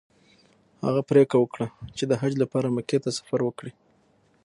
هغه پریکړه وکړه چې د حج لپاره مکې ته سفر وکړي.